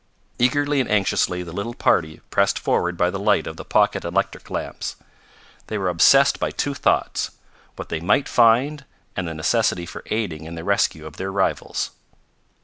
Eagerly and anxiously the little party pressed forward by the light of the pocket electric lamps. They were obsessed by two thoughts what they might find and the necessity for aiding in the rescue of their rivals.